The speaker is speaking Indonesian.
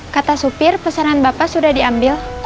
kata supir pesanan bapak sudah diambil